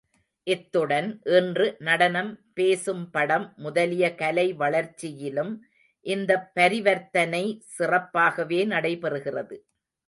இத்துடன் இன்று நடனம், பேசும் படம் முதலிய கலை வளர்ச்சியிலும் இந்தப் பரிவர்த்தனை சிறப்பாகவே நடைபெறுகிறது.